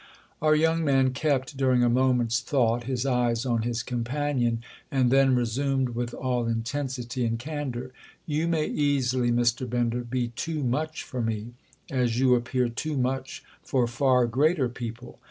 Our young man kept, during a moment's thought, his eyes on his companion, and then resumed with all intensity and candour: "You may easily, Mr. Bender, be too much for me—as you appear too much for far greater people.